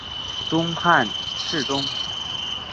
东汉侍中。